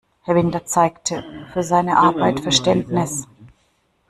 Herr Winter zeigte für seine Arbeit Verständnis.